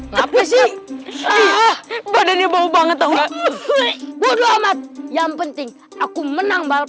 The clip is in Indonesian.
ngapain sih ah badannya bau banget tahu waduh amat yang penting aku menang balap